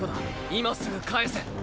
今すぐ返せ。